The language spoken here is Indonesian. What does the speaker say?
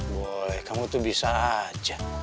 boleh kamu tuh bisa aja